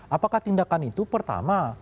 apakah tindakan itu pertama